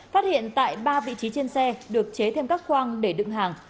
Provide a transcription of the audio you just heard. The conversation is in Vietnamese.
phát hiện tại ba vị trí trên xe được chế thêm các khoang để đựng hàng